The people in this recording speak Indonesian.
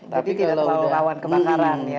tapi tidak terlalu rawan kebakaran ya